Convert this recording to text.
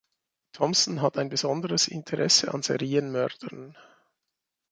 Thomson hat ein besonderes Interesse an Serienmördern.